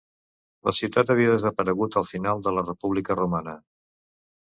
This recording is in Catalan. La ciutat havia desaparegut al final de la República romana.